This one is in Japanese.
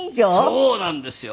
そうなんですよ。